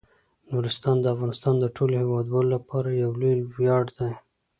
نورستان د افغانستان د ټولو هیوادوالو لپاره یو لوی ویاړ دی.